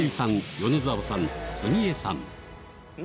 米澤さん杉江さん